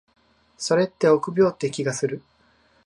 それって臆病って気がする。